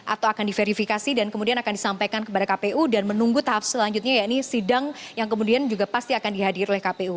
atau akan diverifikasi dan kemudian akan disampaikan kepada kpu dan menunggu tahap selanjutnya ya ini sidang yang kemudian juga pasti akan dihadir oleh kpu